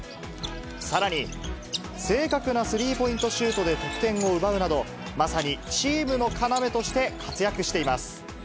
さらに、正確なスリーポイントシュートで得点を奪うなど、まさにチームの要として活躍しています。